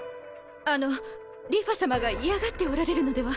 あの梨花さまが嫌がっておられるのでは？